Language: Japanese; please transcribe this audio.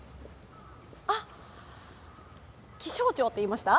あっ、気象庁って言いました？